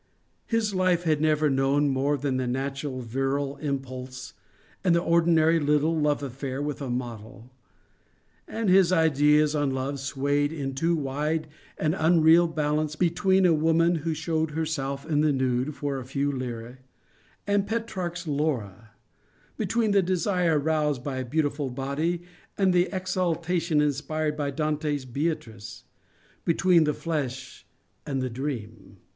His life had never known more than the natural virile impulse and the ordinary little love affair with a model. And his ideas on love swayed in a too wide and unreal balance between a woman who showed herself in the nude for a few lire and Petrarch's Laura; between the desire roused by a beautiful body and the exaltation inspired by Dante's Beatrice; between the flesh and the dream.